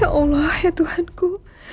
ya allah ya tuhan ku